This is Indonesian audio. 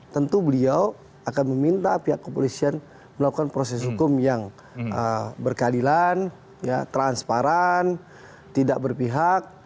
tentu beliau akan meminta pihak kepolisian melakukan proses hukum yang berkeadilan transparan tidak berpihak